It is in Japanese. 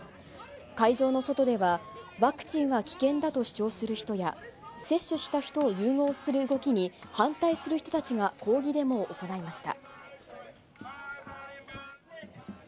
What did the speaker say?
会場の外ではワクチンは危険だと主張する人や、接種した人を優遇する動きに反対する人たちが抗議デモを行いました。